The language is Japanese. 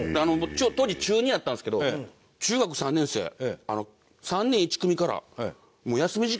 当時中２やったんですけど中学３年生３年１組から。